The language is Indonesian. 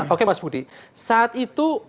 oke mas budi saat itu